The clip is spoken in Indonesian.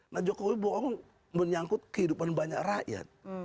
nah jokowi bohong menyangkut kehidupan banyak rakyat